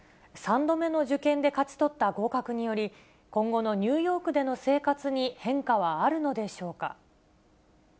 ３度目の受験で勝ち取った合格により、今後のニューヨークでの生活に変化はあるのでしょうか。